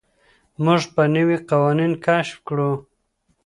موږ به نوي قوانين کشف کړو.